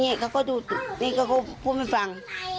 อย่างนี้เขาก็พูดเมื่อสัง